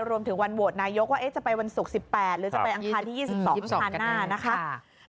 รวมถึงวันโหวตนายกว่าจะไปวันศุกร์๑๘หรือจะไปอังคารที่๒๒ชานหน้านะคะ